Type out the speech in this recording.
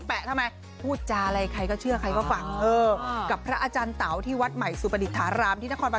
เฮ้ยฉันไปเจอกับอาจารย์เต๋ามาแล้ว